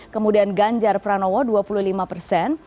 kemudian ganjar pranowo dua puluh lima persen